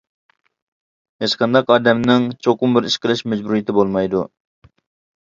ھېچقانداق ئادەمنىڭ چوقۇم بىر ئىش قىلىش مەجبۇرىيىتى بولمايدۇ.